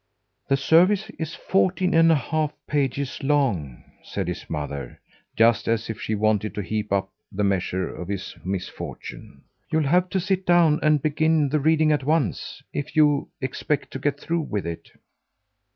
"The service is fourteen and a half pages long," said his mother, just as if she wanted to heap up the measure of his misfortune. "You'll have to sit down and begin the reading at once, if you expect to get through with it."